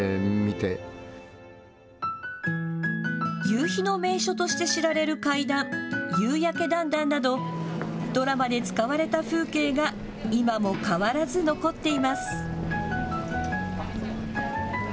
夕日の名所として知られる階段、夕やけだんだんなどドラマで使われた風景が今も変わらず残っています。